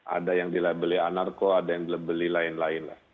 ada yang di labeli anarko ada yang di labeli lain lain